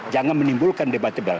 jangan menimbulkan debat